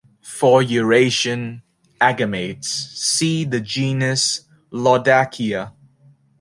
For Eurasian agamaids, see the genus "Laudakia".